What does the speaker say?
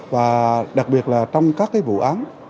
và đặc biệt là trong các vụ án